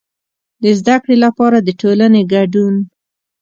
د زده کړې لپاره د ټولنې کډون.